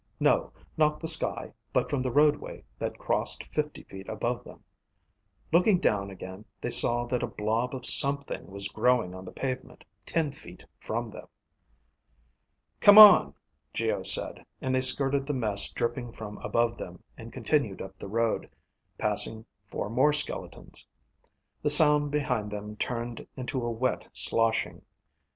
No, not the sky, but from the roadway that crossed fifty feet above them. Looking down again, they saw that a blob of something was growing on the pavement ten feet from them. "Come on," Geo said, and they skirted the mess dripping from above them, and continued up the road, passing four more skeletons. The sound behind them turned into a wet sloshing.